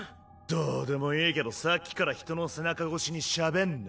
どうでもいいけどさっきから人の背中越しにしゃべんな。